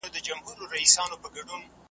بلبل نه وو یوه نوې تماشه وه .